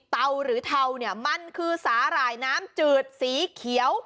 หรือเทาเนี่ยมันคือสาหร่ายน้ำจืดสีเขียว